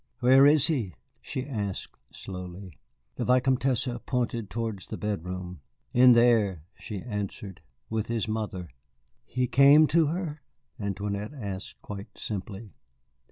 "Where is he?" she asked slowly. The Vicomtesse pointed towards the bedroom. "In there," she answered, "with his mother." "He came to her?" Antoinette asked quite simply.